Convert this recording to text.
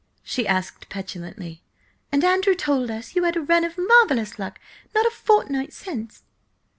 she asked petulantly. "And Andrew told us you had a run of marvellous luck not a fortnight since?"